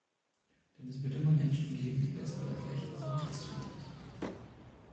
Denn es wird immer Menschen geben, die besser oder schlechter sind, als du selbst.